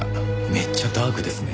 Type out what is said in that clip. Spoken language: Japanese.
めっちゃダークですね。